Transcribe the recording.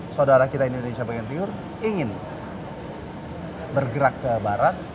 saudara kita indonesia bagian timur ingin bergerak ke barat